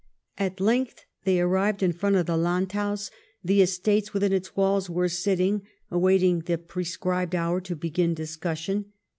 At length they arrived in front of the Landhaus. The Estates within its walls were sitting, awaiting the prescribed hour to begin dis cussion.